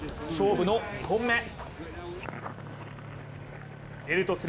勝負の２本目。